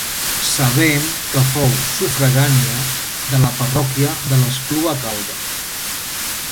Sabem que fou sufragània de la parròquia de l'Espluga Calba.